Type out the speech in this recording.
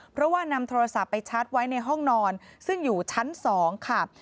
เพราะว่านำโทรศัพท์ไปชาร์จไว้ในห้องนอนซึ่งอยู่ชั้น๒ค่ะ